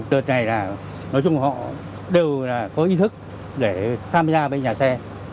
đợt này là nói chung họ đều có ý thức để tham gia bên nhà xe